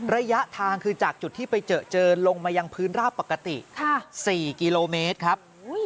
ระยะทางคือจากจุดที่ไปเจอเจอลงมายังพื้นราบปกติ๔กิโลเมตรครับ